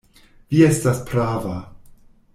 Vi estas prava.